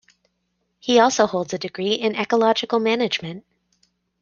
He also holds a degree in ecological management.